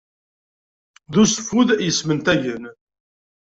D useffud yesmentagen.